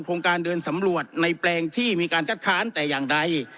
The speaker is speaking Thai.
โครงการเดินสำรวจในแปลงที่มีการคัดค้านแต่อย่างใด